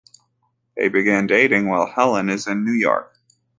They begin dating while Helen is in New York.